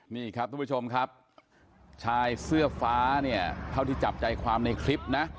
นี่ครับทุกผู้ชมครับชายเสื้อฟ้าเนี่ยเท่าที่จับใจความในคลิปนะ